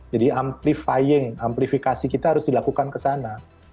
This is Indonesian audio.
jadi amplifikasi kita harus dilakukan kesana